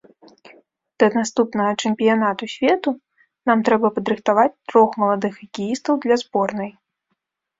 Да наступнага чэмпіянату свету нам трэба падрыхтаваць трох маладых хакеістаў для зборнай.